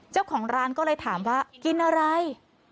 เจ้าของร้านก็เลยถามว่ากินอะไร